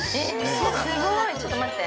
すごい、ちょっと待って。